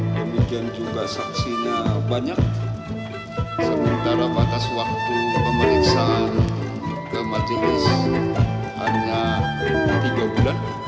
demikian juga saksinya banyak sementara batas waktu pemeriksaan ke majelis hanya tiga bulan